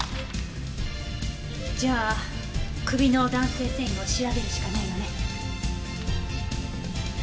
じゃあ首の弾性繊維を調べるしかないわね。